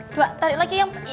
dua tarik lagi